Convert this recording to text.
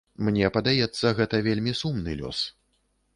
Мне падаецца, гэта вельмі сумны лёс.